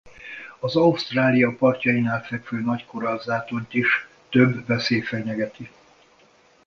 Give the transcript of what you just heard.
Az Ausztrália partjainál fekvő Nagy-korallzátonyt is több veszély fenyegeti.